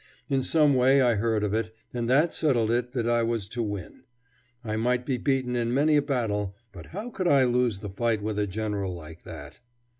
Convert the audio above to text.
In some way I heard of it, and that settled it that I was to win. I might be beaten in many a battle, but how could I lose the fight with a general like that?